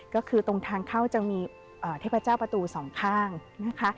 ก็คือตรงทางเข้าจะมีเทพเจ้าประตูสองข้างนะคะ